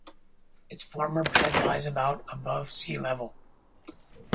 Its former bed lies about above sea level.